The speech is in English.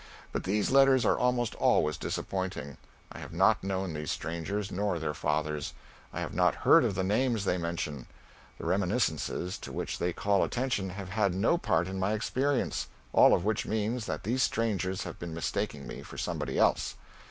But these letters are almost always disappointing. I have not known these strangers nor their fathers. I have not heard of the names they mention; the reminiscences to which they call attention have had no part in my experience; all of which means that these strangers have been mistaking me for somebody else.